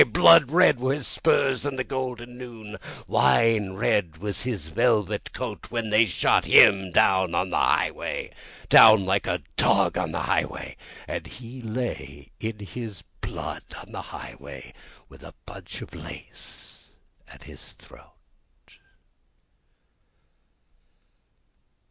Blood red were his spurs in the golden noon, wine red was his velvet coat When they shot him down in the highway, Down like a dog in the highway, And he lay in his blood in the highway, with the bunch of lace at his throat.